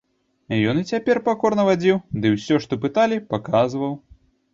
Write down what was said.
Ён і цяпер пакорна вадзіў ды ўсё, што пыталі, паказваў.